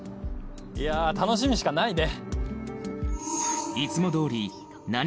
いやぁ楽しみしかないね。